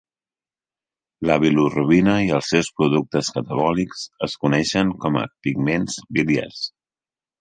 La bilirubina i els seus productes catabòlics es coneixen com a pigments biliars.